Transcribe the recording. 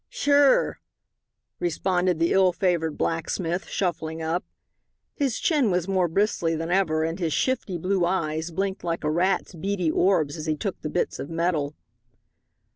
"Sure," responded the ill favored blacksmith, shuffling up. His chin was more bristly than ever, and his shifty blue eyes blinked like a rat's beady orbs as he took the bits of metal.